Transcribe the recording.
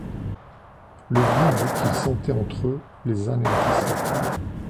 Le vide qu’ils sentaient en eux les anéantissait.